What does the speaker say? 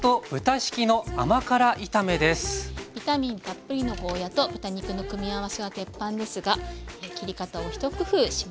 ビタミンたっぷりのゴーヤーと豚肉の組み合わせは鉄板ですが切り方を一工夫しました。